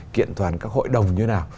kiện toàn các hội đồng như thế nào